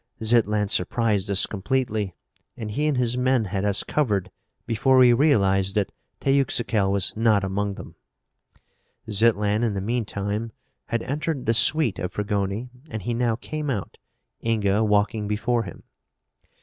"Zitlan surprised us completely and he and his men had us covered before we realized that Teuxical was not among them." Zitlan, in the meantime, had entered the suite of Fragoni and he now came out, Inga walking before him.